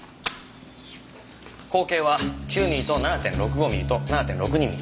口径は９ミリと７．６５ミリと７．６２ミリ。